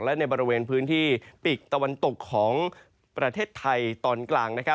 และในบริเวณพื้นที่ปีกตะวันตกของประเทศไทยตอนกลาง